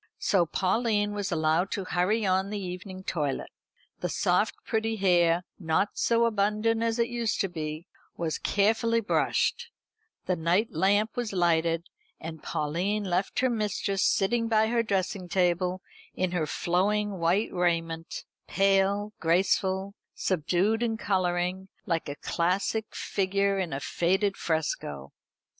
So Pauline was allowed to hurry on the evening toilet. The soft pretty hair, not so abundant as it used to be, was carefully brushed; the night lamp was lighted; and Pauline left her mistress sitting by her dressing table in her flowing white raiment, pale, graceful, subdued in colouring, like a classic figure in a faded fresco.